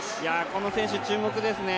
この選手、注目ですね。